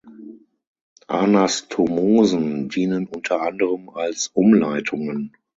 Anastomosen dienen unter anderem als Umleitungen.